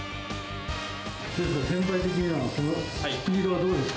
先輩的には、このスピードはどうですか？